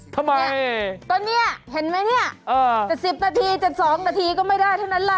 ทำไมนี่ตัวนี้เห็นไหมนี่แต่๑๐นาทีแต่๒นาทีก็ไม่ได้เท่านั้นแหละ